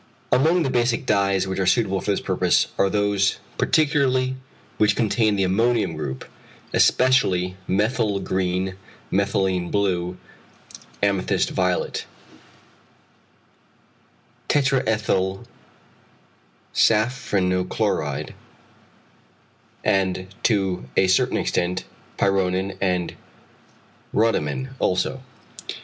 Among the basic dyes which are suitable for this purpose are those particularly which contain the ammonium group, especially methyl green, methylene blue, amethyst violet (tetraethylsafraninchloride), and to a certain extent pyronin and rhodamin also.